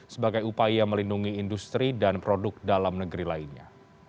sebagai upaya melindungi industri dan produk dalam negeri lainnya